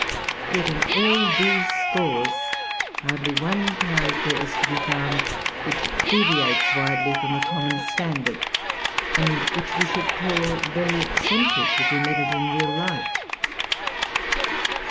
Yet in all these scores hardly one character is to be found which deviates widely from the common standard, and which we should call very eccentric if we met it in real life.